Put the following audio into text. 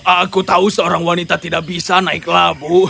aku tahu seorang wanita tidak bisa naik labu